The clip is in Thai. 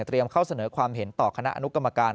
เข้าเสนอความเห็นต่อคณะอนุกรรมการ